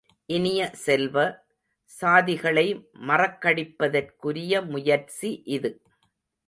இனிய செல்வ, சாதிகளை மறக்கடிப்பதற்குரிய முயற்சி இது.